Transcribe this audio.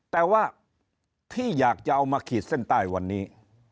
แต่ว่าที่อยากจะเอามาขีดเส้นใต้วันนี้